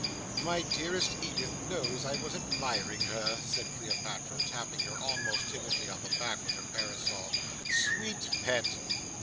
"My dearest Edith knows I was admiring her!" said Cleopatra, tapping her, almost timidly, on the back with her parasol. "Sweet pet!"